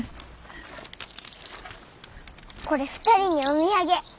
これ２人にお土産。